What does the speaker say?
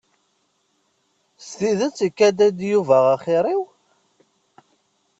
S tidet ikad-ak-d Yuba axir-iw?